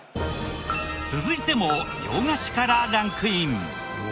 続いても洋菓子からランクイン。